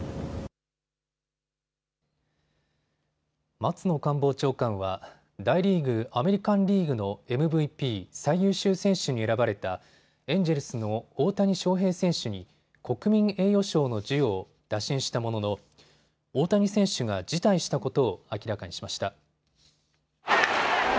松野官房長官は大リーグアメリカンリーグのＭＶＰ・最優秀選手に選ばれたエンジェルスの大谷翔平選手に国民栄誉賞の授与を打診したものの大谷選手が辞退したことを明らかにしました。